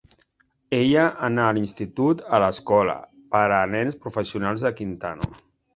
Ella anà a l'institut a l'escola per a nens professionals de Quintano.